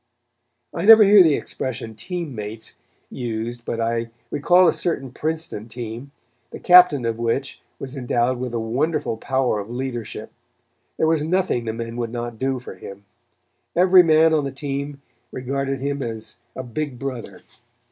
I never hear the expression "team mates" used but I recall a certain Princeton team, the captain of which was endowed with a wonderful power of leadership. There was nothing the men would not do for him. Every man on the team regarded him as a big brother.